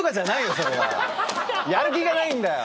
それはやる気がないんだよ！